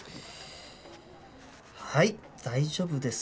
はい大丈夫ですね。